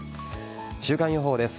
週間予報です。